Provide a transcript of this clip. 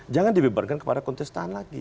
jangan dibeberkan kepada kontestan lagi